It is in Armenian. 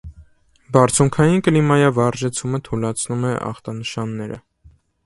Բարձունքային կլիմայավարժեցումը թուլացնում է ախտանշանները։